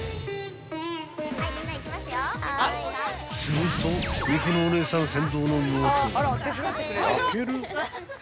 ［すると肉のお姉さん先導の下］